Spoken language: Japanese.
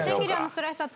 スライサー？